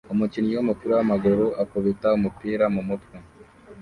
Umukinnyi wumupira wamaguru akubita umupira numutwe